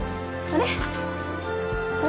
あれ？